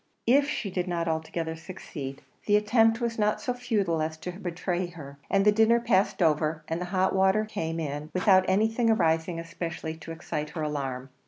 If she did not altogether succeed, the attempt was not so futile as to betray her; and the dinner passed over, and the hot water came in, without anything arising especially to excite her alarm.